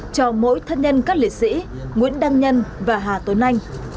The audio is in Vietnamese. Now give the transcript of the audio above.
cho mỗi thân nhân các liệt sĩ nguyễn đăng nhân và hà tuấn anh